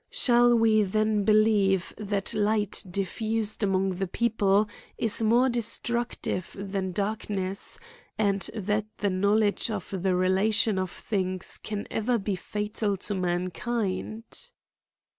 Shall we then believe, that light diffused among the people is more de structive than darkness, and that the knowledge of the relation of things can ever be fatal to mankind?